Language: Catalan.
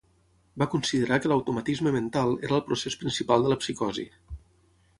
Va considerar que l'automatisme mental era el procés principal de la psicosi.